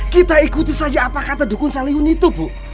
kita ikuti saja apa kata dukun salihun itu bu